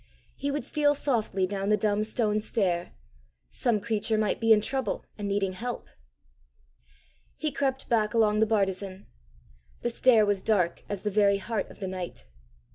He would steal softly down the dumb stone stair! Some creature might be in trouble and needing help! He crept back along the bartizan. The stair was dark as the very heart of the night.